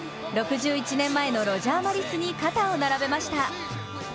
６１年前のロジャー・マリスに肩を並べました。